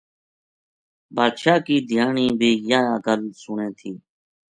بادشاہ کی دھیانی بی یہ گل سُنے تھی